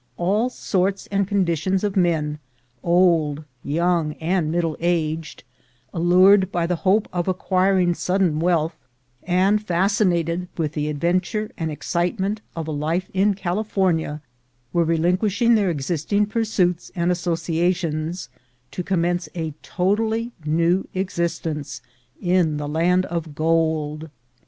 All sorts and con ditions of men, old, young, and middle aged, allured by the hope of acquiring sudden wealth, and fasci nated with the adventure and excitement of a life in California, were relinquishing their existing pursuits and associations to commence a totally new existence in the land of gold.